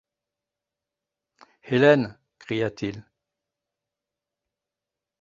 Hélène! cria-t-il.